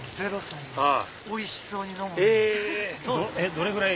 どれぐらい。